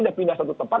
dia pindah satu tempat